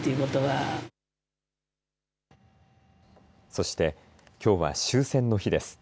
そして、きょうは終戦の日です。